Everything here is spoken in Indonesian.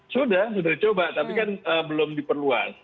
sudah sudah dicoba tapi kan belum diperluas